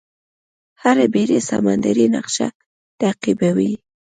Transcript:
هره بېړۍ سمندري نقشه تعقیبوي.